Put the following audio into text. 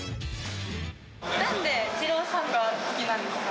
なんでイチローさんが好きなんですか？